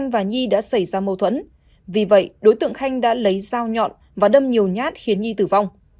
vì vậy đối tượng khanh đã lấy dao nhọn và đâm nhiều nhát khiến nhi tử vong